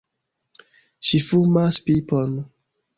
Ŝi fumas pipon!